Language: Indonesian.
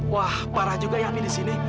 wah parah juga ya ini di sini